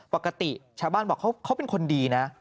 ปกติชาวบ้านบอกเขาเป็นคนดีนะ